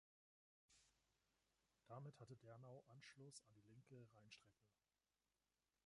Damit hatte Dernau Anschluss an die Linke Rheinstrecke.